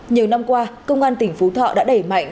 nhiều năm qua công an tỉnh phú thọ đã đẩy mạnh